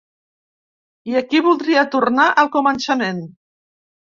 I aquí voldria tornar al començament.